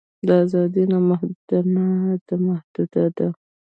دا ازادي نامحدوده نه ده محدوده ده.